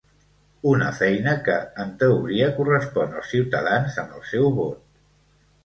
Una feina que, en teoria, correspon als ciutadans amb el seu vot.